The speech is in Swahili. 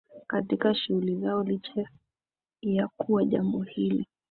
katika shughuli zao licha ya kuwa jambo hili